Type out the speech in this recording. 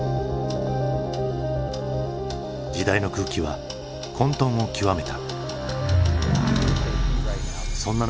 時代の空気は混とんを極めた。